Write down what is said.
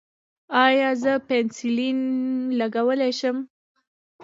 ایا زه پنسلین لګولی شم؟